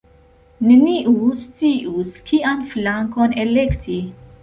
Neniu scius kian flankon elekti.